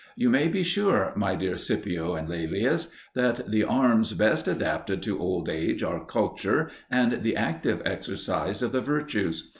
You may be sure, my dear Scipio and Laelius, that the arms best adapted to old age are culture and the active exercise of the virtues.